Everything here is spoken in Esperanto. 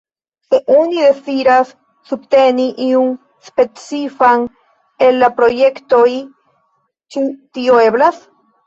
Se oni deziras subteni iun specifan el la projektoj, ĉu tio eblas?